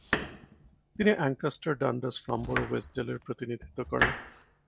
তিনি অ্যাঙ্কাস্টার-ডান্ডাস-ফ্লামবোরো-ওয়েস্টডেলের প্রতিনিধিত্ব করেন।